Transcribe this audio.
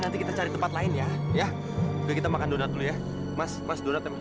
nanti kita cari tempat lain ya ya udah kita makan donat dulu ya mas mas donat